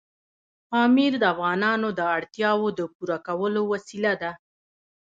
پامیر د افغانانو د اړتیاوو د پوره کولو وسیله ده.